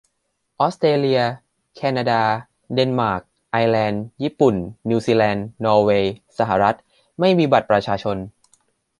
ออสเตรเลีย แคนาดา เดนมาร์ก ไอร์แลนด์ ญี่ปุ่น นิวซีแลนด์ นอร์เวย์ สหรัฐ ไม่มีบัตรประชาชน